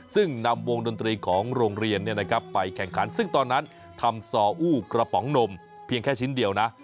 ซึ่งนำวงดนตรีของโรงเรียนไปแข่งขันซึ่งตอนนั้นทำซออู้กระป๋องนมเพียงแค่ชิ้นเดียวนะ